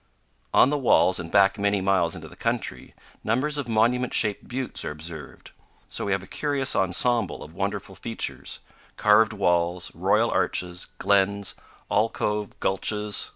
On the walls, and back many miles into the country, numbers of monument shaped buttes are observed. So we have a curious ensemble of wonderful features carved walls, royal arches, glens, alcove gulches, powell canyons 151.